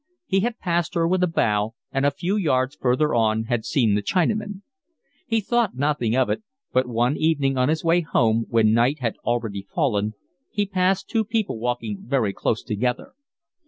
He had passed her with a bow, and a few yards further on had seen the Chinaman. He thought nothing of it; but one evening on his way home, when night had already fallen, he passed two people walking very close together.